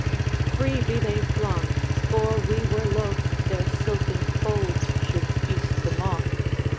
'Free be they flung! for we were loath Their silken folds should feast the moth.